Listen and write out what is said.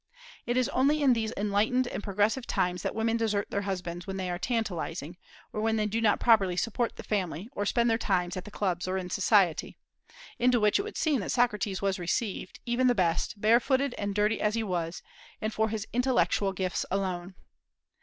It is only in these enlightened and progressive times that women desert their husbands when they are tantalizing, or when they do not properly support the family, or spend their time at the clubs or in society, into which it would seem that Socrates was received, even the best, barefooted and dirty as he was, and for his intellectual gifts alone.